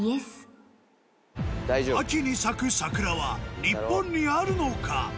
秋に咲く桜は日本にあるのか？